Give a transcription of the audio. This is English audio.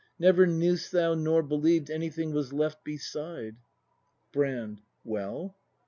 Never knew'st thou nor believed. Anything was left beside. Brand. Well?